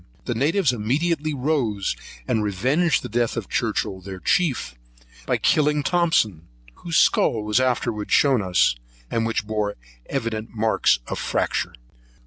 The natives immediately rose, and revenged the death of Churchhill their chief, by killing Thomson, whose skull was afterwards shown to us, which bore evident marks of fracture.